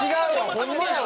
ホンマやわ。